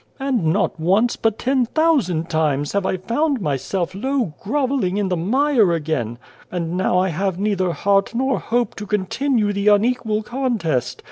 And not once, but ten thousand times, have I found myself low grovelling in 203 The Child, the Wise Man the mire again. And now I have neither heart nor hope to continue the unequal contest.